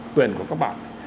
quyền của các bạn